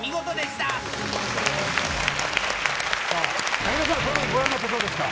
さあ、武田さん、ご覧になってどうですか。